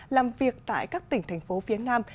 làm việc tại các tỉnh thành phố phía nam